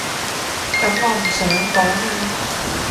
噉我唔想講啊